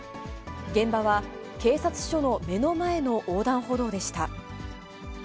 現場は警察署の目の前の横断歩道でした。